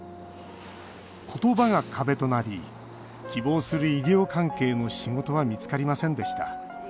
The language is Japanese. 言葉が壁となり希望する医療関係の仕事は見つかりませんでした。